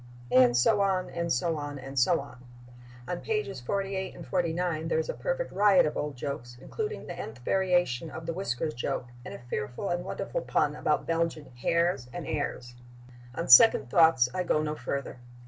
And so on and so on and so on. On pages 48 and 49 there is a perfect riot of old jokes, including the nth variation of the whiskers joke and a fearful and wonderful pun about Belgian hares and heirs.... On second thoughts I go no further....